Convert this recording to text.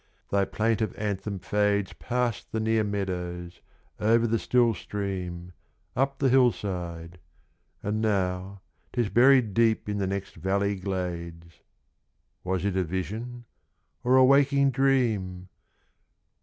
thy plaintive anthem fades 75 Past the near meadows, over the still stream, Up the hill side; and now 'tis buried deep In the next valley glades: Was it a vision, or a waking dream?